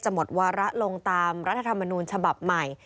หมดวาระลงตามรัฐธรรมนูญฉบับใหม่